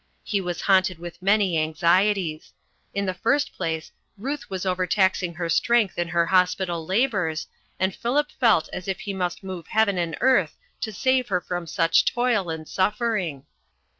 He was haunted with many anxieties; in the first place, Ruth was overtaxing her strength in her hospital labors, and Philip felt as if he must move heaven and earth to save her from such toil and suffering.